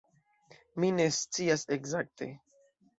Mi ne scias ekzakte.